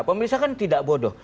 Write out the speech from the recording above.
pemirsa kan tidak bodoh